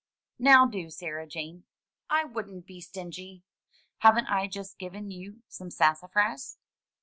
"Now do, Sarah Jane. I wouldn't be stingy. Haven't I just given you some sassafras?"